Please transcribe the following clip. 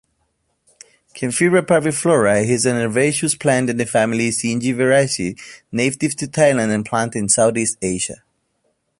Kaempferia parviflora is an herbaceous plant in the family Zingiberaceae, native to Thailand and planted in Southeast Asia.